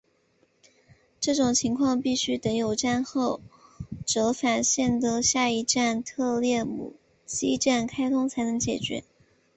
这种情况必须等有站后折返线的下一站特列姆基站开通才能解决。